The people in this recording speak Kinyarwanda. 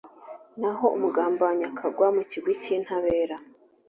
naho umugambanyi akagwa mu kigwi cy’intabera